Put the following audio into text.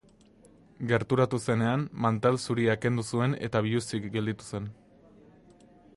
Gerturatu zenean, mantal zuria kendu zuen eta biluzik gelditu zen.